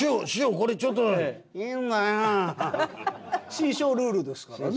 志ん生ルールですからね。